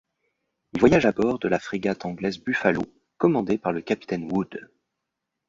Ils voyagent à bord de la frégate anglaise Buffalo, commandée par le capitaine Wood.